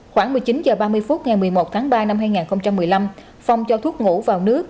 khoảng một mươi chín h ba mươi phút ngày một mươi một tháng ba năm hai nghìn một mươi năm phong cho thuốc ngủ vào nước